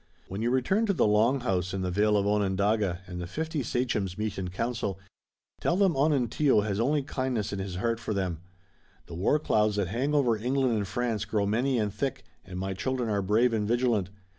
"When you return to the Long House in the vale of Onondaga, and the fifty sachems meet in council, tell them Onontio has only kindness in his heart for them. The war clouds that hang over England and France grow many and thick, and my children are brave and vigilant.